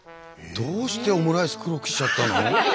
どうしてオムライス黒くしちゃったの？